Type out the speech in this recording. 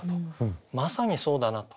まさにそうだなと。